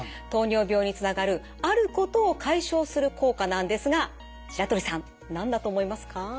糖尿病につながるあることを解消する効果なんですが白鳥さん何だと思いますか？